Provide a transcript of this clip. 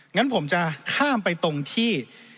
งั้นผมจะข้ามไปตรงที่